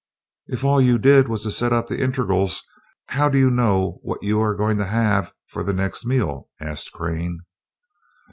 "If all you did was to set up the integrals, how do you know what you are going to have for the next meal?" asked Crane.